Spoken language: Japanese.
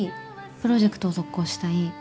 プロジェクトを続行したい。